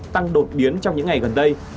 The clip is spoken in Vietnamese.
tăng đột biến trong những ngày gần đây